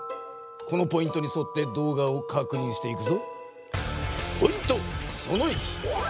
このポイントにそって動画をかくにんしていくぞ。